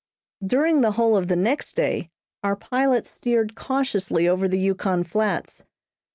During the whole of the next day our pilots steered cautiously over the Yukon Flats.